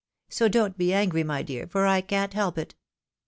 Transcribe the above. So don't be angry, my dear, for I can't help it."